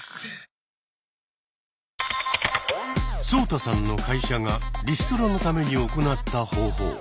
ソウタさんの会社がリストラのために行った方法。